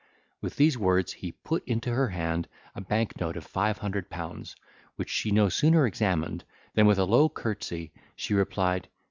With these words he put into her hand a bank note of five hundred pounds, which she no sooner examined, than with a low courtesy she replied.